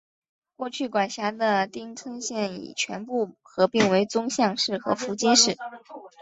过去管辖的町村现已全部合并为宗像市和福津市。